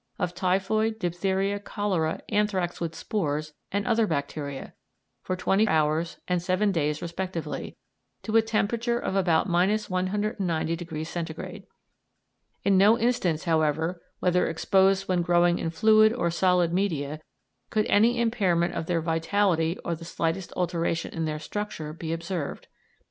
of typhoid, diphtheria, cholera, anthrax with spores, and other bacteria, for twenty hours and seven days respectively, to a temperature of about 190° C. In no instance, however, whether exposed when growing in fluid or solid media, could any impairment of their vitality or the slightest alteration in their structure be observed.